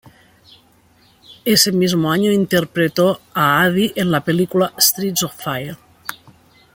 Ese mismo año interpretó a Addie en la película "Streets of Fire".